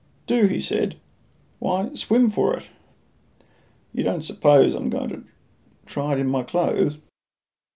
"Do!" he said. "Why, swim for it. You don't suppose I'm going to try in my clothes?"